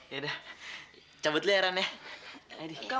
ya udah cabut liat ran ya